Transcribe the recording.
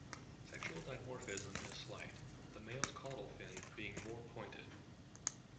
Sexual dimorphism is slight, the male's caudal fin being more pointed.